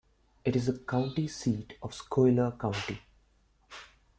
It is the county seat of Schuyler County.